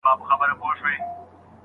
ريښتنی اوسئ.